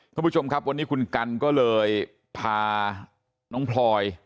ท่านผู้ชมครับวันนี้คุณกันก็เลยพาน้องพลอย